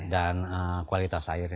dan kualitas air ya